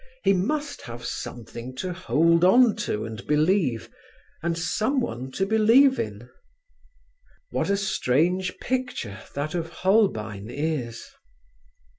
He must have something to hold on to and believe, and someone to believe in. What a strange picture that of Holbein's is!